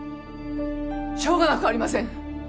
しょうがなくありません！